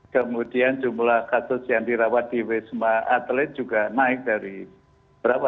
kemudian jumlah kasus yang dirawat di wisma atlet juga naik dari berapa